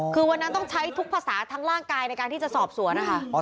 คือวันนั้นต้องใช้ทุกภาษาทั้งร่างกายในการที่จะสอบสวนนะคะ